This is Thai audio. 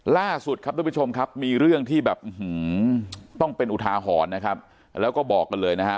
ล่าสุดครับทุกผู้ชมครับมีเรื่องที่แบบต้องเป็นอุทาหรณ์นะครับแล้วก็บอกกันเลยนะฮะ